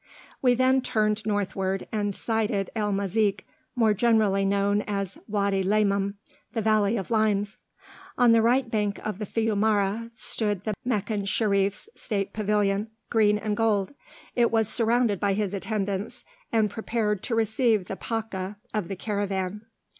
We then turned northward, and sighted El Mazik, more generally known as Wady Laymun, the Valley of Limes. On the right bank of the fiumara stood the Meccan Sherif's state pavilion, green and gold: it was surrounded by his attendants, and prepared to receive the Pacha of the caravan.